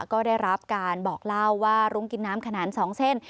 ก็ได้รับการบอกเล่าว่ารุ้งกินน้ำขนาด๒เส้น